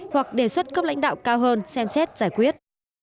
hoặc đề xuất cấp lãnh đạo cao hơn xem xét giải quyết